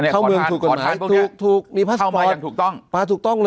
เข้าเมืองถูกกฎหมายถูกมีพาสปอร์ต